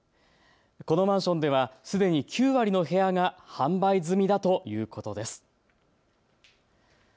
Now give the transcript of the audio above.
このマンションではすでに９割の部屋が販売済みだということです。